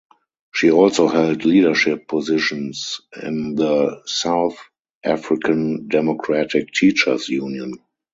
She also held leadership positions in the South African Democratic Teachers Union.